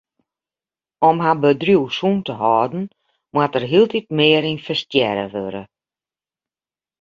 Om har bedriuw sûn te hâlden moat der hieltyd mear ynvestearre wurde.